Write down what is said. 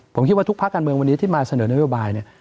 ผมคิดว่าทุกภาคการเมืองวันนี้ที่มาเสนอนโยบายเนี่ย